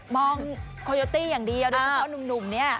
มองโคยตตี้อย่างดีอยากดูต่อหนุ่มเนี่ย